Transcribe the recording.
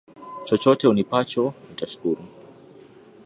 Chochote unipacho nitashukuru.